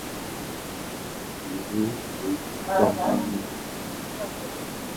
তিনি উইসকনসিন বিশ্ববিদ্যালয়ে ভর্তি হন এবং প্রথম বছরেই তিনি উইসকনসিন প্লেয়ার্সের মঞ্চনাটকে প্রধান চরিত্রে কাজের সুযোগ পান।